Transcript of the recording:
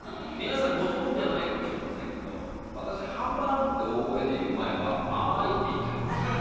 みなさんご存じじゃないかもしれませんけど私「ハンバーグ」って大声で言う前は「あまい」って言ってたんです。